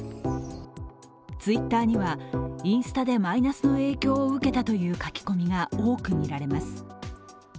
Ｔｗｉｔｔｅｒにはインスタでマイナスの影響を受けたという書き込みが多く見られます。